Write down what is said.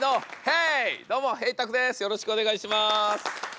よろしくお願いします。